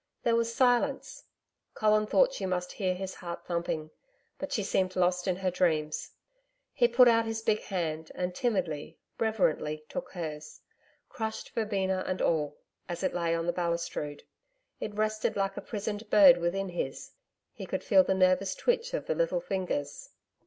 There was silence; Colin thought she must hear his heart thumping, but she seemed lost in her dreams. He put out his big hand and timidly, reverently, took hers, crushed verbena and all, as it lay on the balustrade. It rested like a prisoned bird within his; he could feel the nervous twitch of the little fingers.